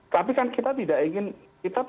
tapi kan kita tidak ingin kita